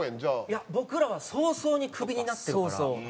いや僕らは早々にクビになってるから。